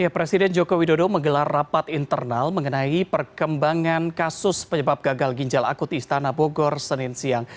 presiden joko widodo menggelar rapat internal mengenai perkembangan kasus penyebab gagal ginjal akut di istana bogor senin siang